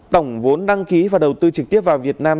tổng vốn đăng ký và đầu tư trực tiếp vào việt nam